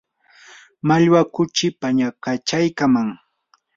mallwa kuchii pañakachaykannam